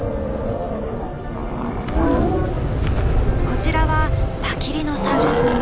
こちらはパキリノサウルス。